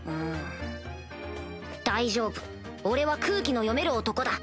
大丈夫俺は空気の読める男だ